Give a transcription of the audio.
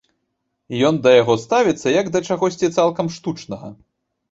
Ён да яго ставіцца як да чагосьці цалкам штучнага.